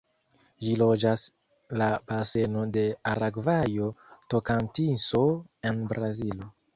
Ĝi loĝas la baseno de Aragvajo-Tokantinso en Brazilo.